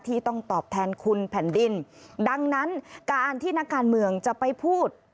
ต้องตอบแทนคุณแผ่นดินดังนั้นการที่นักการเมืองจะไปพูด